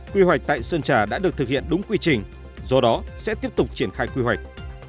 quy hoạch tại sơn trà đã được thực hiện đúng quy trình do đó sẽ tiếp tục triển khai quy hoạch